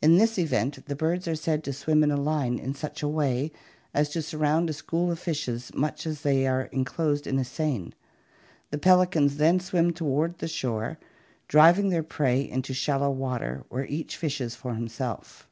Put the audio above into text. In this event, the birds are said to swim in a line in such a way as to sur round a school of fishes much as they are enclosed in a seine. The pelicans then swim toward the shore, driving their prey into shallow water, where each fishes for himself.